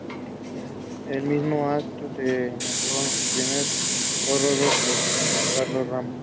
En el mismo acto se nombró a su primer párroco, Presbítero Carlos Ramos.